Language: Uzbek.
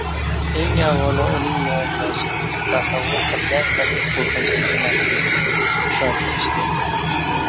eng avvalo, uning muammosi o‘zi tasavvur qilganchalik qo‘rqinchli emasligiga ishontirish kerak.